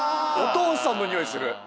お父さんのニオイする。